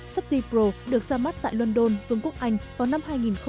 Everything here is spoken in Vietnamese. softie pro được ra mắt tại london vương quốc anh vào năm hai nghìn một mươi bảy